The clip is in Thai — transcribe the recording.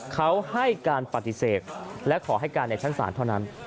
เขาให้การปฏิเสธและขอให้การในชั้นศาลเท่านั้น